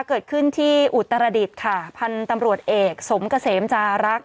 เกิดขึ้นที่อุตรดิษฐ์ค่ะพันธุ์ตำรวจเอกสมเกษมจารักษ์